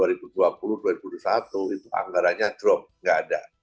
dua ribu dua puluh satu itu anggarannya drop enggak ada